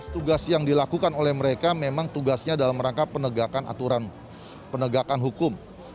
tugas yang dilakukan oleh mereka memang tugasnya dalam rangka penegakan aturan penegakan hukum